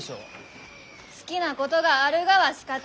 好きなことがあるがはしかたない。